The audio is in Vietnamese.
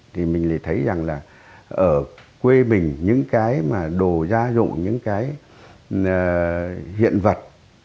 thì mình lại thấy rằng là ở quê bình những cái mà đồ gia dụng những cái hiện vật